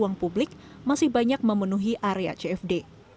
ruang publik masih banyak memenuhi area cfd